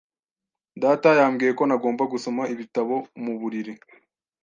Data yambwiye ko ntagomba gusoma ibitabo mu buriri.